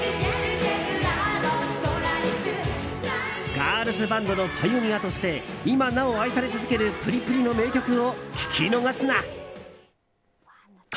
ガールズバンドのパイオニアとして今なお愛され続けるプリプリの名曲を聴き逃すな！